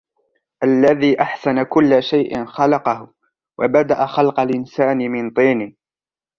الَّذِي أَحْسَنَ كُلَّ شَيْءٍ خَلَقَهُ وَبَدَأَ خَلْقَ الْإِنْسَانِ مِنْ طِينٍ